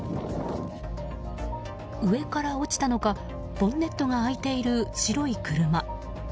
上から落ちたのかボンネットが開いている白い車。